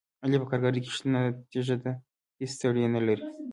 علي په کارګرۍ کې شنه تیږه دی، هېڅ ستړیې نه لري.